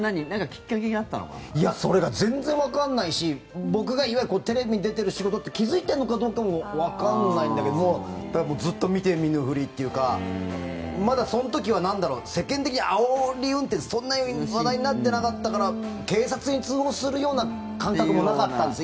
それが全然わからないし僕がテレビに出ている仕事っていうことにも気付いているのかわかんないだけどずっと見て見ぬふりというかまだその時は世間的にあおり運転ってそんなに話題になっていなかったから警察に通報するような感覚もなかったんですよ。